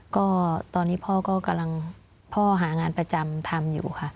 ก็ตอนนี้พ่อก็กำลังพ่อหางานประจำทำอยู่ค่ะ